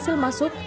setelah mereka masuk